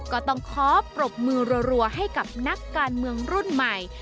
ก็ต้องขอปรบมือรัวให้กับนักการเมืองรุ่นใหม่